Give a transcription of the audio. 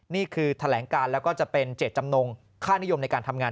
นี่คือแถลงการแล้วก็จะเป็นเจตจำนงค่านิยมในการทำงาน